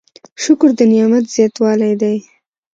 شکر د نعمت زیاتوالی دی؟